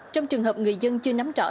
trong trường hợp người dân chưa nắm rõ